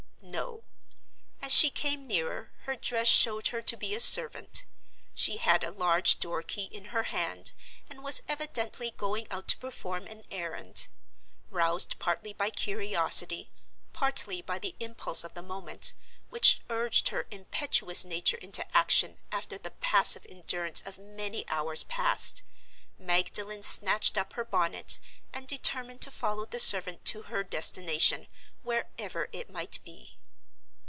No. As she came nearer, her dress showed her to be a servant. She had a large door key in her hand, and was evidently going out to perform an errand. Roused partly by curiosity, partly by the impulse of the moment, which urged her impetuous nature into action after the passive endurance of many hours past, Magdalen snatched up her bonnet, and determined to follow the servant to her destination, wherever it might be.